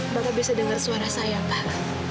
bapak bisa denger suara saya pak